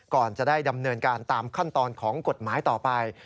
ก่อนจะได้ดำเนินการตามขั้นตอนของกฎหมายต่อไป